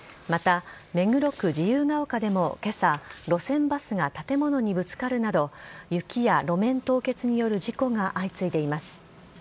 また、目黒区自由が丘でも今朝路線バスが建物にぶつかるなど雪や路面凍結による事故が相次いでいます。